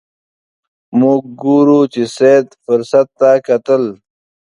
موږ ګورو چې سید فرصت ته کتل.